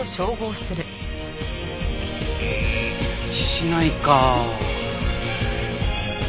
一致しないか。